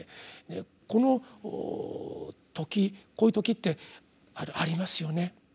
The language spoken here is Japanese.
この時こういう時ってありますよね。